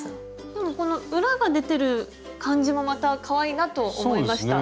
でもこの裏が出てる感じもまたかわいいなと思いました。